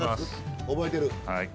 覚えてる？